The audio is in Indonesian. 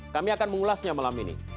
kami akan mengulasnya malam ini